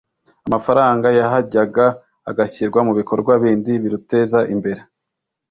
amafaranga yahajyaga agashyirwa mu bikorwa bindi biruteza imbere